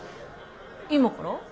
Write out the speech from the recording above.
今から？